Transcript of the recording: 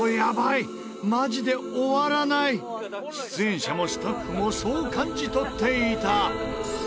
出演者もスタッフもそう感じ取っていた。